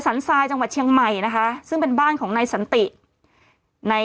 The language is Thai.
ทรายจังหวัดเชียงใหม่นะคะซึ่งเป็นบ้านของนายสันติใน